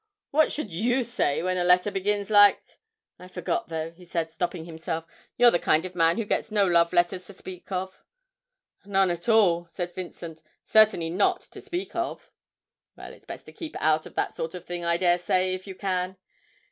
What should you say when a letter begins like this I forgot, though,' he said, stopping himself, 'you're the kind of man who gets no love letters to speak of.' 'None at all,' said Vincent; 'certainly not to speak of.' 'Well, it's best to keep out of that sort of thing, I dare say, if you can.